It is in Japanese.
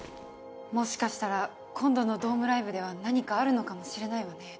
もしかしたら今度のドームライブでは何かあるのかもしれないわね。